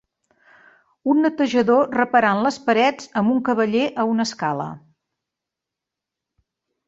Un netejador reparant les parets amb un cavaller a una escala.